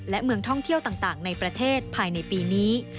และเมืองท่องเที่ยวต่างในประเทศภายในปีนี้